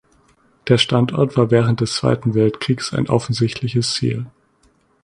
Der Standort war während des Zweiten Weltkriegs ein offensichtliches Ziel.